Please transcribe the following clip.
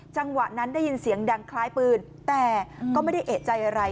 จังหวะนั้นได้ยินเสียงดังคล้ายปืนแต่ก็ไม่ได้เอกใจอะไร